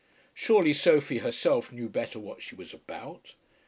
Surely Sophie herself knew better what she was about!